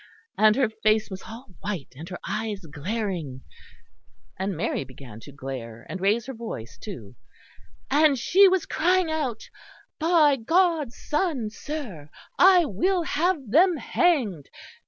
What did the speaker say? And her face was all white, and her eyes glaring" and Mary began to glare and raise her voice too "and she was crying out, 'By God's Son, sir, I will have them hanged.